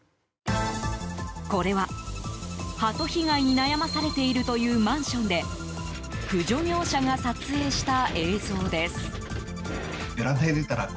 これはハト被害に悩まされているというマンションで駆除業者が撮影した映像です。